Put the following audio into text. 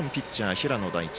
平野大地。